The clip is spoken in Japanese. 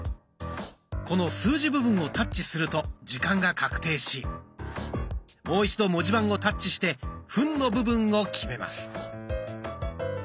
この数字部分をタッチすると時間が確定しもう一度文字盤をタッチして分の部分を決めます。